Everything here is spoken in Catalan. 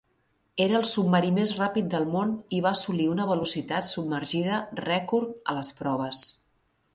Era el submarí més ràpid del món i va assolir una velocitat submergida rècord a les proves.